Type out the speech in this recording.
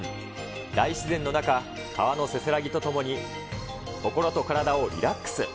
大自然の中、川のせせらぎとともに心と体をリラックス。